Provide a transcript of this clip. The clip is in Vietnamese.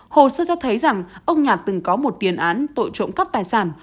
hồ sơ cho thấy rằng ông nhạt từng có một tiền án tội trộm cắp tài sản